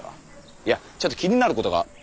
いやちょっと気になることが。